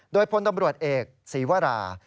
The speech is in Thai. โดยพลตำรวจเอกศีวรา